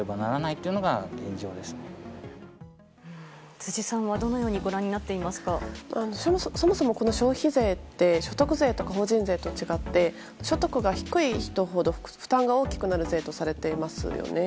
辻さんは、どのようにご覧になっていますか。そもそもこの消費税って所得税とか法人税とは違って所得が低い人ほど負担が大きくなる税とされていますよね。